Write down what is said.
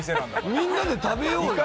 みんなで食べようや。